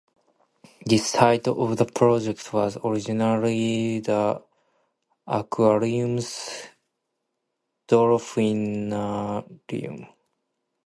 The site of the project was originally the Aquarium’s dolphinarium.